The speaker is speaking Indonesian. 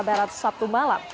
barat sabtu malam